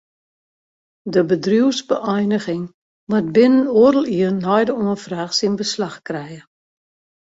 De bedriuwsbeëiniging moat binnen oardel jier nei de oanfraach syn beslach krije.